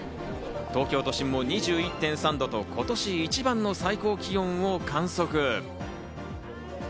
東京都心も２１．３度と今年一番の最高気温を観測。